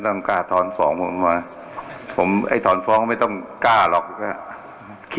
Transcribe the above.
ไม่ต้องกล้าทอนฟองผมไอ้ทอนฟองไม่ต้องกล้าหรอก